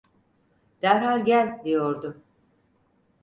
"Derhal gel!" diyordu.